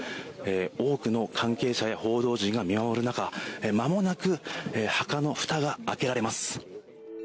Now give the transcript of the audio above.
多くの関係者や報道陣が見守る中まもなく墓のふたが開けられます。